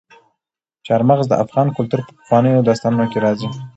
چار مغز د افغان کلتور په پخوانیو داستانونو کې راځي.